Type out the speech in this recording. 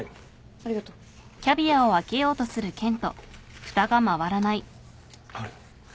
ありがとう。あれ？